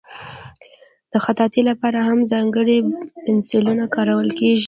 د خطاطۍ لپاره هم ځانګړي پنسلونه کارول کېږي.